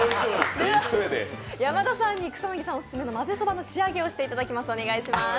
山田さんに草薙さんオススメのまぜそばの仕上げをしていただきます。